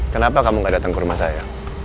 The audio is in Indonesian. kenapa kamu gak datang ke rumah saya